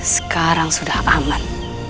sekarang sudah aman